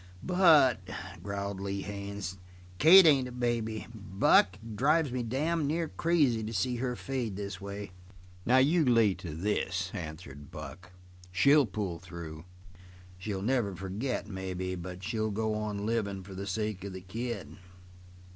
"But," growled Lee Haines, "Kate isn't a baby. Buck, it drives me damn near crazy to see her fade this way." "Now you lay to this," answered Buck. "She'll pull through. She'll never forget, maybe, but she'll go on livin' for the sake of the kid."